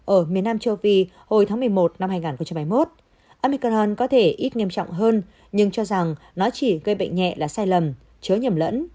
ở miền nam châu phi hồi tháng một mươi một năm hai nghìn hai mươi một amikarn có thể ít nghiêm trọng hơn nhưng cho rằng nó chỉ gây bệnh nhẹ là sai lầm chớ nhầm lẫn